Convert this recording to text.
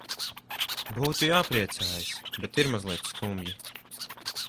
Būtu jāpriecājas, bet ir mazliet skumji.